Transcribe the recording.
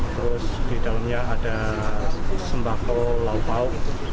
terus di dalamnya ada sembako laupau